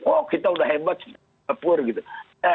oh kita udah hebat di singapura